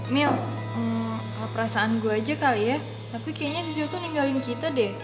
mil perasaan gue aja kali ya tapi kayaknya sisir tuh ninggalin kita deh